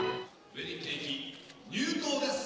ウェディングケーキ入刀です。